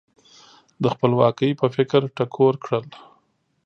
د خپلواکۍ په فکر ټکور کړل.